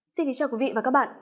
xin kính chào quý vị và các bạn